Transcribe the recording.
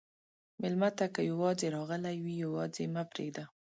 مېلمه ته که یواځې راغلی وي، یواځې مه پرېږده.